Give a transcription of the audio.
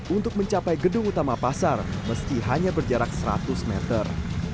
untuk mencapai gedung utama pasar meski hanya berjarak seratus meter